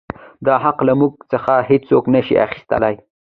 دا حـق لـه مـوږ څـخـه هـېڅوک نـه شـي اخيـستلى.